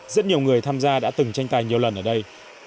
rất nhiều người tham gia đã từng tranh tài nhiều lần ở đây